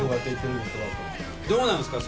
どうなんすか